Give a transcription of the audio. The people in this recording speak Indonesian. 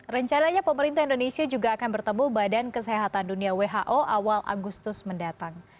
rencananya pemerintah indonesia juga akan bertemu badan kesehatan dunia who awal agustus mendatang